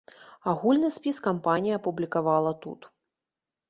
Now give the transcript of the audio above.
Агульны спіс кампанія апублікавала тут.